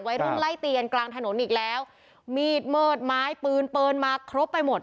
วัยรุ่นไล่เตียนกลางถนนอีกแล้วมีดเมิดไม้ปืนปืนมาครบไปหมด